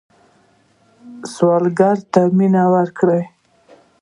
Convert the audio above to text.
سوالګر ته مینه ورکوئ